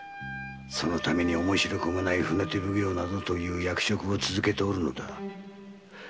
そのために面白くもない船手奉行などを続けておるのだ。